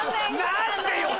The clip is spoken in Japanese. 何でよ！